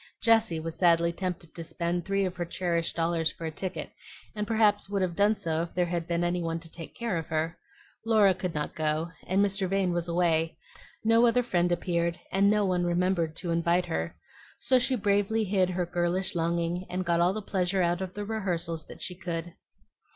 Jessie was sadly tempted to spend three of her cherished dollars for a ticket, and perhaps would have done so if there had been any one to take care of her. Laura could not go, and Mr. Vane was away; no other friend appeared, and no one remembered to invite her, so she bravely hid her girlish longing, and got all the pleasure out of the rehearsals that she could.